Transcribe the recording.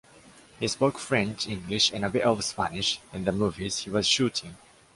He spoke French, English and a bit of Spanish in the movies he was shooting.